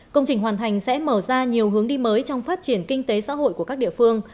công trình hoàn thành sẽ mở ra nhiều hướng đi mới trong phát triển kinh tế xã hội của các địa phương